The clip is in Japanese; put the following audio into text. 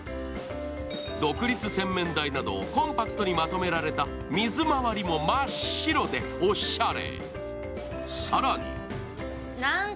独立洗面台などコンパクトにまとめた水回りも真っ白でおしゃれ。